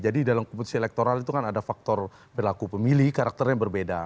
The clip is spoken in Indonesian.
jadi dalam kompetisi elektoral itu kan ada faktor berlaku pemilih karakternya berbeda